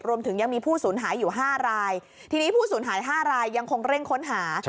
รวมถึงยังมีผู้สูญหายอยู่๕รายทีนี้ผู้สูญหาย๕รายยังคงเร่งค้นหา